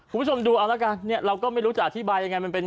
คุณผู้ชมดูเอาละกันเนี่ยเราก็ไม่รู้จะอธิบายยังไงมันเป็น